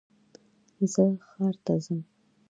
زه ښار ته ځم